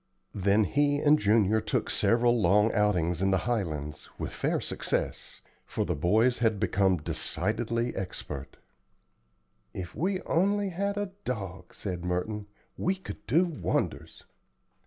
Then he and Junior took several long outings in the Highlands, with fair success; for the boys had become decidedly expert. "If we only had a dog," said Merton, "we could do wonders."